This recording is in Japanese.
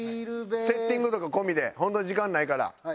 セッティングとか込みで本当に時間ないから。